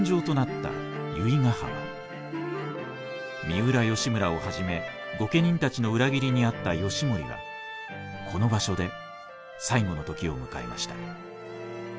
三浦義村をはじめ御家人たちの裏切りに遭った義盛はこの場所で最期の時を迎えました。